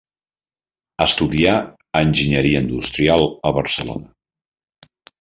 Estudià enginyeria industrial a Barcelona.